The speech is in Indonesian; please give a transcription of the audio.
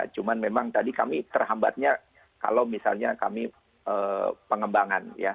cuma memang tadi kami terhambatnya kalau misalnya kami pengembangan ya